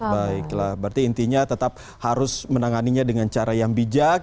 baiklah berarti intinya tetap harus menanganinya dengan cara yang bijak